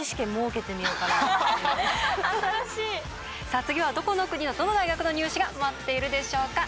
さあ次はどこの国のどの大学のニュー試が待っているでしょうか。